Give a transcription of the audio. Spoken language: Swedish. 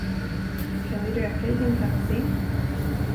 Kan vi röka i din taxi?